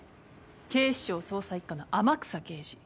警視庁捜査一課の天草刑事。